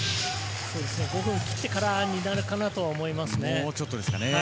５分切ってからになるかなとは思いますね。